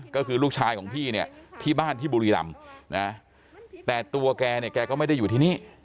ก็คือลูกชายของพี่เนี่ยที่บ้านที่บุรีรำนะแต่ตัวแกเนี่ยแกก็ไม่ได้อยู่ที่นี่